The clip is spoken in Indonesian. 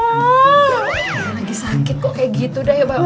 lagi sakit kok kayak gitu ya bapak